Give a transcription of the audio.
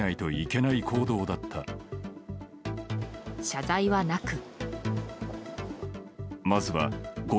謝罪はなく。